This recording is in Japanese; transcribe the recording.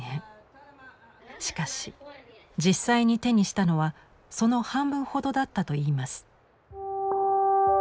しかし実際に手にしたのはその半分ほどだったといいます。